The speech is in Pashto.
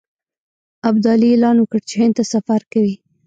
ابدالي اعلان وکړ چې هند ته سفر کوي.